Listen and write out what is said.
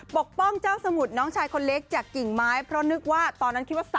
ปกป้องเจ้าสมุดน้องชายคนเล็กจากกิ่งไม้